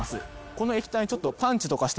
この液体にちょっとえっ？